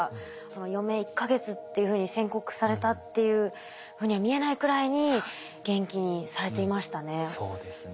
余命１か月っていうふうに宣告されたっていうふうには見えないくらいに元気にされていましたね。